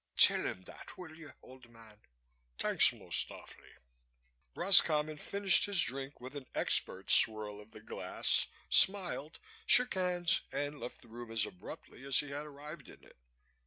Tell him that, will you, old man? Thanks most awfully." Roscommon finished his drink with an expert swirl of the glass, smiled, shook hands and left the room as abruptly as he had arrived in it.